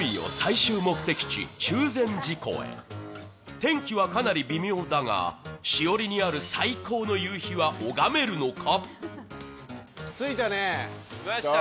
天気はかなり微妙だが、しおりにある最高の夕日は拝めるのか？